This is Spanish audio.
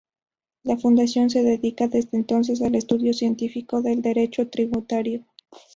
La Fundación se dedica desde entonces al estudio científico del derecho tributario.